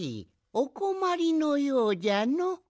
おこまりのようじゃの。